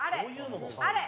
あれ！